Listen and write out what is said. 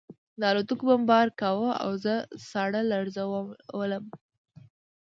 الوتکو بمبار کاوه او زه ساړه لړزولم